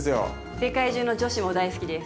世界中の女子も大好きです。